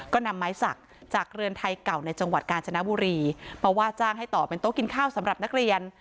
ก็นำไม้สักจากเรือนไทยเก่าในจังหวัดกาญจนบุรีมาว่าจ้างให้ต่อเป็นโต๊ะกินข้าวสำหรับนักเรียน